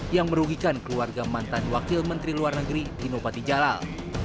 yang merugikan keluarga mantan wakil menteri luar negeri dino patijalal